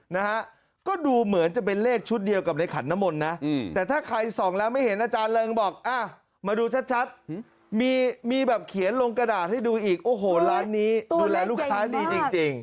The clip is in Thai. นะฮะก็ดูเหมือนจะเป็นเลขชุดเดียวกับในขันน้ำมนต์นะแต่ถ้าใครส่องแล้วไม่เห็นอาจารย์เริงบอกอ่ะมาดูชัดมีแบบเขียนลงกระดาษให้ดูอีกโอ้โหร้านนี้ดูแลลูกค้าดีจริง